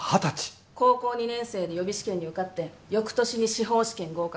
高校２年生で予備試験に受かって翌年に司法試験合格。